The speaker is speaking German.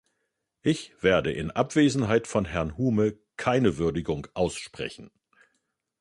Ich werde in Abwesenheit von Herrn Hume keine Würdigung aussprechen.